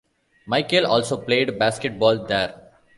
Michael also played basketball there.